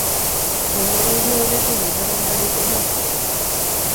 Denboraldi-aurreko bigarren garaipena dute.